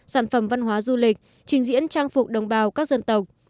sản phẩm văn hóa du lịch trình diễn trang phục đồng bào các dân tộc